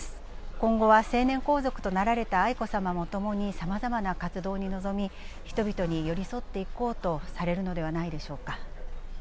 今後は成年皇族となられた愛子さまもともにさまざまな活動に臨み、人々に寄り添っていこうとされるのではないでしょうか。